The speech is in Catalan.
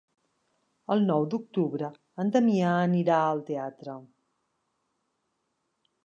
El nou d'octubre en Damià anirà al teatre.